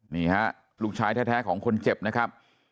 นี่ฮะลูกชายแท้ของคนเจ็บนะครับ